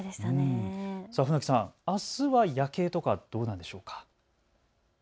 船木さん、あすの夜は夜景とかどうなんでしょうか。